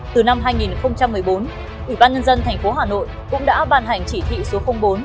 từ năm hai nghìn một mươi bốn ủy ban nhân dân thành phố hà nội cũng đã ban hành chỉ thị số bốn